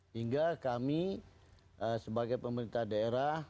hingga kami sebagai pemerintah daerah